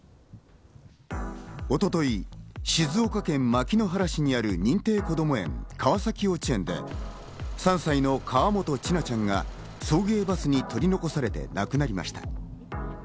一昨日、静岡県牧之原市にある認定こども園、川崎幼稚園で３歳の河本千奈ちゃんが送迎バスに取り残されて亡くなりました。